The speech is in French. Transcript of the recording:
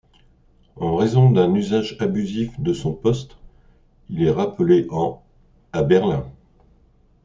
En raison d'un usage abusif de son poste, il est rappelé en à Berlin.